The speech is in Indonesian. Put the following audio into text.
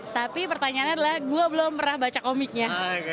tapi pertanyaannya adalah gue belum pernah baca komiknya